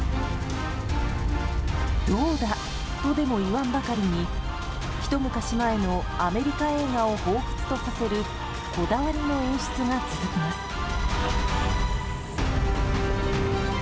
どうだ！とでも言わんばかりにひと昔前のアメリカ映画をほうふつとさせるこだわりの演出が続きます。